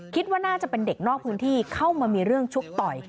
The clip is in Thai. คิดว่าน่าจะเป็นเด็กนอกพื้นที่เข้ามามีเรื่องชกต่อย